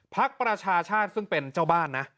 ประชาชาติซึ่งเป็นเจ้าบ้านนะ